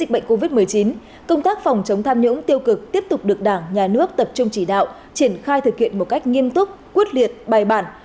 phòng chống tham nhũng tiêu cực tiếp tục được đảng nhà nước tập trung chỉ đạo triển khai thực hiện một cách nghiêm túc quyết liệt bài bản